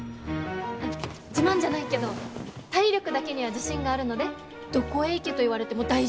自慢じゃないけど体力だけには自信があるのでどこへ行けと言われても大丈夫です。